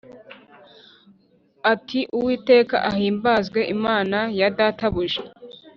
Ati Uwiteka Ahimbazwe Imana Ya Databuja